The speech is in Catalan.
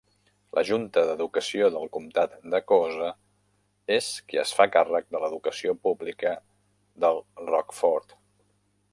La Junta d'Educació del comtat de Coosa és qui es fa càrrec de l'educació pública del Rockford.